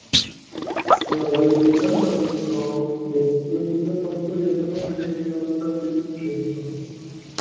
Stále by mne zajímalo, jestli bude tato jedna miliarda využita.